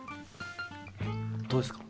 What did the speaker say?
どうですか？